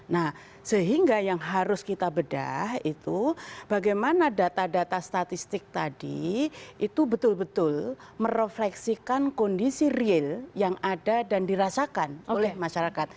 nah sehingga yang harus kita bedah itu bagaimana data data statistik tadi itu betul betul merefleksikan kondisi real yang ada dan dirasakan oleh masyarakat